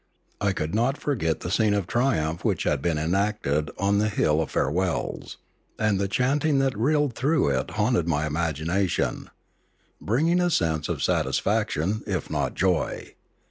I could not forget the scene of triumph which had been enacted on the hill of farewells; and the chanting that rilled through it haunted my imagination, bringing a sense of satisfac tion, if not joy.